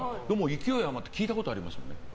勢い余って聞いたことあります。